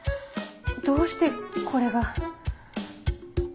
どうしてこれが。